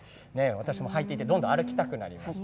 私も履いていてどんどん歩きたくなりました。